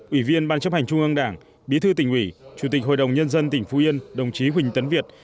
ủy viên ban chấp hành trung ương đảng bí thư tỉnh ủy chủ tịch hội đồng nhân dân tỉnh phú yên đồng chí huỳnh tấn việt